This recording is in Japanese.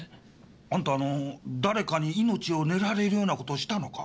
あんた誰かに命を狙われるような事したのか？